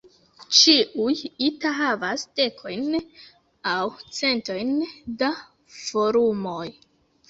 Ĉiuj "ita" havas dekojn aŭ centojn da forumoj.